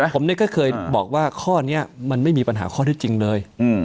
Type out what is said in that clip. ผมก็เคยบอกว่าข้อนี้มันไม่มีปัญหาข้อที่จริงเลย